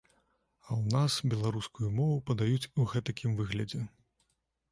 А ў нас беларускую мову падаюць у гэтакім выглядзе.